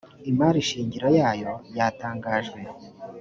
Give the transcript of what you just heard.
imari shingiro yayo yatangajwe